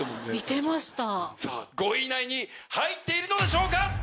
５位以内に入っているのでしょうか